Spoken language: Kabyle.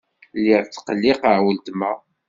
Lliɣ ttqelliqeɣ weltma.